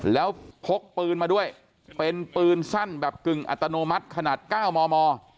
แล้วพกปืนมาด้วยเป็นปืนสั้นแบบกึ่งอัตโนมัติขนาด๙มม